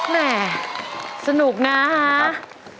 แน่สนุกนะครับ